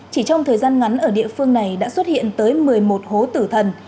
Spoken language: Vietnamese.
chỉ trong thời gian ngắn ở địa phương này đã xuất hiện tới một mươi một hố tử thần